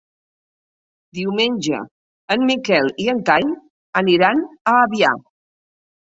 Diumenge en Miquel i en Cai aniran a Avià.